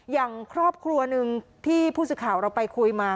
อย่างครอบครัวหนึ่งที่ผู้สื่อข่าวเราไปคุยมา